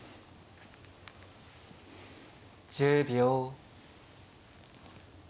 １０秒。